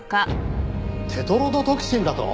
テトロドトキシンだと！？